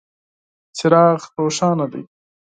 څراغ روښانه دی .